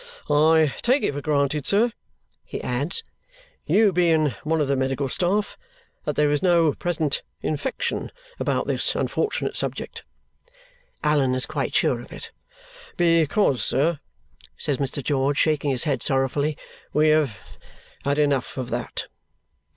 "I take it for granted, sir," he adds, "you being one of the medical staff, that there is no present infection about this unfortunate subject?" Allan is quite sure of it. "Because, sir," says Mr. George, shaking his head sorrowfully, "we have had enough of that."